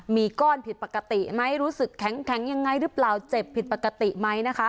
มีก้อนผิดปกติไหมรู้สึกแข็งยังไงหรือเปล่าเจ็บผิดปกติไหมนะคะ